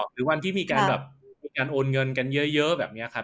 หรือวันที่มีการโอนเงินกันเยอะแบบนี้ครับ